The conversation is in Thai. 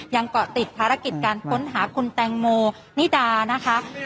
เกาะติดภารกิจการค้นหาคุณแตงโมนิดานะคะ